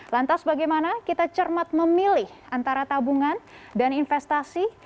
lantas bagaimana kita cermat memilih antara tabungan dan investasi